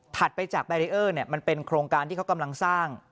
ไปจากแบรีเออร์มันเป็นโครงการที่เขากำลังสร้าง